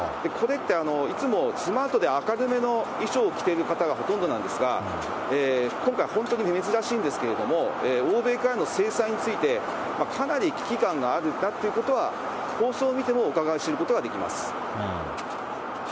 これって、いつもスマートで明るめの衣装を着てる方がほとんどなんですが、今回、本当に珍しいんですけれども、欧米からの制裁について、かなり危機感があるんだということは、放送を見てもうかがい知ることができます。